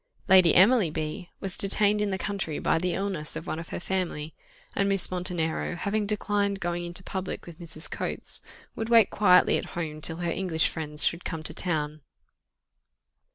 Lady Emily B was detained in the country by the illness of one of her family, and Miss Montenero, having declined going into public with Mrs. Coates, would wait quietly at home till her English friends should come to town.